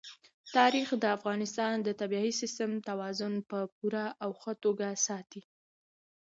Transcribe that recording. تاریخ د افغانستان د طبعي سیسټم توازن په پوره او ښه توګه ساتي.